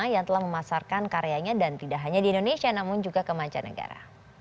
yang telah memasarkan karyanya dan tidak hanya di indonesia namun juga ke mancanegara